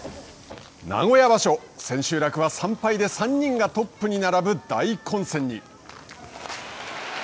名古屋場所千秋楽は３敗で３人がトップに並ぶ大混戦に。